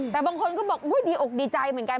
แต่บางคนก็บอกดีอกดีใจเหมือนกัน